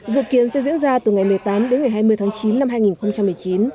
dự kiến sẽ diễn ra từ ngày một mươi tám đến ngày hai mươi tháng chín năm hai nghìn một mươi chín